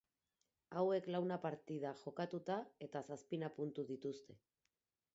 Hauek launa partida jokatuta eta zazpina puntu dituzte.